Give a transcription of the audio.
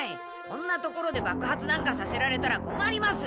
こんな所でばく発なんかさせられたらこまります！